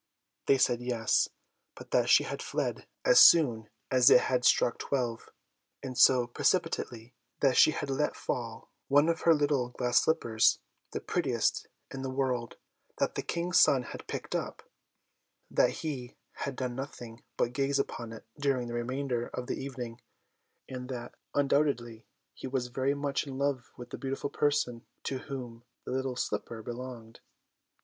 They said yes, but that she had fled as soon as it had struck twelve, and so precipitately that she had let fall one of her little glass slippers, the prettiest in the world; that the King's son had picked it up; that he had done nothing but gaze upon it during the remainder of the evening; and that, undoubtedly, he was very much in love with the beautiful person to whom the little slipper belonged.